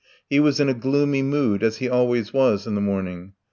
He was in a gloomy mood, as he always was in the morning.